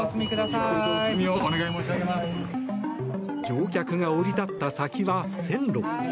乗客が降り立った先は線路。